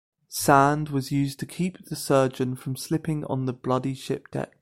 Sand was used to keep the surgeon from slipping on the bloody ship deck.